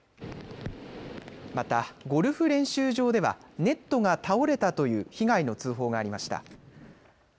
またゴルフ練習場ではネットが倒れたという被害の通報がありました。